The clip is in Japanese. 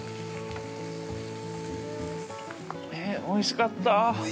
◆おいしかったあ。